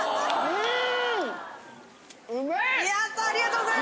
うん。